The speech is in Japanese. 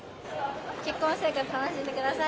結婚生活、楽しんでください。